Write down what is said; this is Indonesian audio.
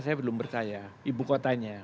saya belum percaya ibu kotanya